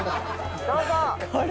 どうぞ。